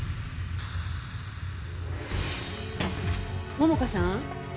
桃花さん？